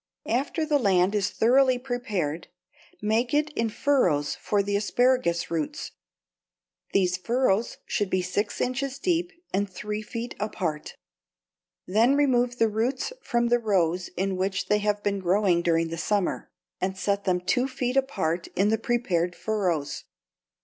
After the land is thoroughly prepared, make in it furrows for the asparagus roots. These furrows should be six inches deep and three feet apart. Then remove the roots from the rows in which they have been growing during the summer, and set them two feet apart in the prepared furrows.